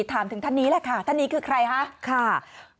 ถามถึงท่านนี้แหละค่ะท่านนี้คือใครคะค่ะ